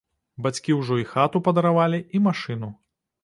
Бацькі ўжо і хату падаравалі і машыну.